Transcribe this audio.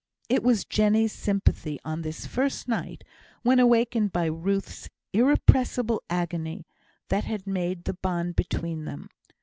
It was Jenny's sympathy on this first night, when awakened by Ruth's irrepressible agony, that had made the bond between them.